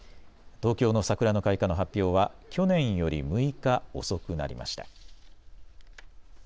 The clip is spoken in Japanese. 東京のサクラの開花の発表は去年より６日遅くなりました。